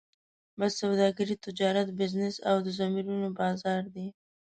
بس سوداګري، تجارت، بزنس او د ضمیرونو بازار دی.